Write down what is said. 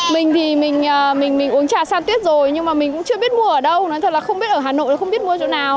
mình thì mình uống trà san tuyết rồi nhưng mà mình cũng chưa biết mua ở đâu nói thật là không biết ở hà nội là không biết mua chỗ nào